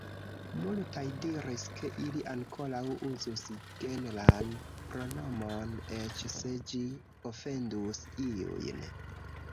Multaj diris ke ili ankoraŭ uzus genran pronomon, eĉ se ĝi ofendus iujn.